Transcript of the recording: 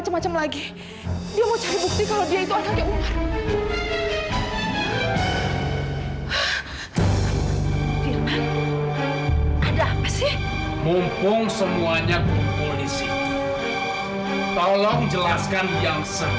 sampai jumpa di video selanjutnya